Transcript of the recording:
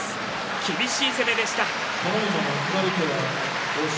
厳しい攻めでした。